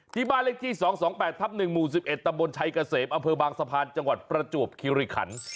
ที่บ้านเลขที่๒๒๘ทับ๑หมู่๑๑ตำบลชัยเกษมอำเภอบางสะพานจังหวัดประจวบคิริขัน